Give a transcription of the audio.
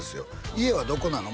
家はどこなの？